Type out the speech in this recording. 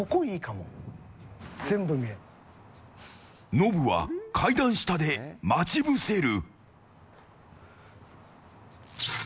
ノブは階段下で待ち伏せる。